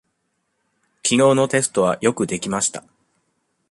きのうのテストはよくできました。